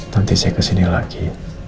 nanti saya kesini lagi